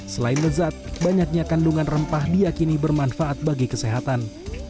selain lezat banyaknya kandungan rempah diakini bermanfaat bagi kesehatan